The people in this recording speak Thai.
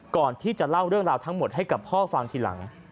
ก่อนที่จะเล่าเรื่องราวทั้งหมดให้กับพ่อฟังทีหลัง